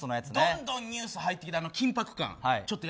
どんどんニュース入ってくる緊迫感。